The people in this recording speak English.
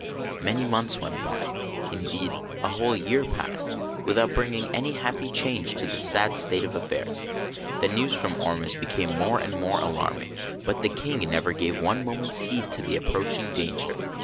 Many months went by — indeed, a whole year passed — without bringing any happy change to this sad state of affairs. The news from Ormuz became more and more alarming, but the King never gave one moment's heed to the approaching danger.